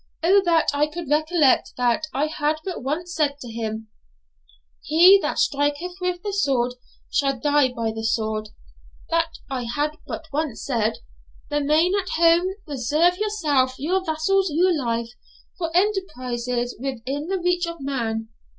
Oh that I could recollect that I had but once said to him, "He that striketh with the sword shall die by the sword"; that I had but once said, "Remain at home; reserve yourself, your vassals, your life, for enterprises within the reach of man."